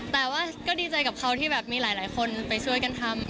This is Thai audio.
แต่ว่าก็ดีใจกับเขาที่แบบมีหลายคนไปช่วยกันทำ